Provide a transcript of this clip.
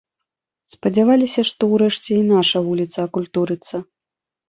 Спадзяваліся, што ўрэшце і наша вуліца акультурыцца.